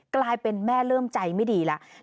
กลายเป็นแม่เริ่มใจไม่ดีแล้ว